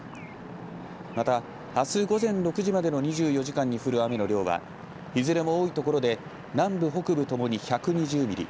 また、あす午前６時までの２４時間に降る雨の量はいずれも多いところで南部・北部ともに１２０ミリ。